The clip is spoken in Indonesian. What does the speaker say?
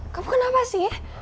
kamu kenapa sih